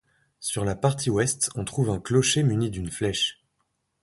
Sur la partie ouest on trouve un clocher muni d'une flèche.